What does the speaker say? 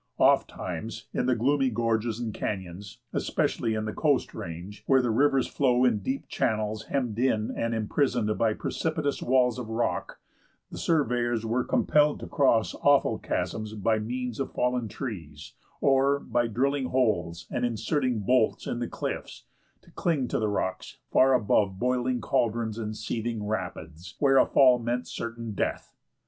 Ofttimes in the gloomy gorges and canyons, especially in the Coast Range, where the rivers flow in deep channels hemmed in and imprisoned by precipitous walls of rock, the surveyors were compelled to cross awful chasms by means of fallen trees, or, by drilling holes and inserting bolts in the cliffs, to cling to the rocks far above boiling cauldrons and seething rapids, where a fall meant certain death.